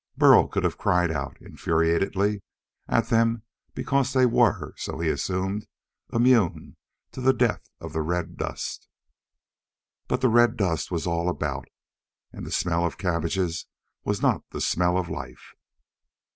Burl could have cried out infuriatedly at them because they were so he assumed immune to the death of the red dust. But the red dust was all about, and the smell of cabbages was not the smell of life.